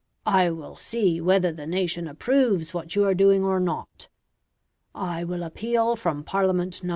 I will see whether the nation approves what you are doing or not; I will appeal from Parliament No.